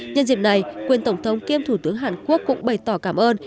nhân dịp này quyền tổng thống kiêm thủ tướng hàn quốc cũng bày tỏ cảm ơn